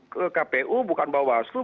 pkpu bukan bawah asur